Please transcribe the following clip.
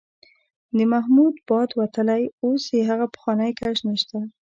د محمود باد وتلی، اوس یې هغه پخوانی کش نشته.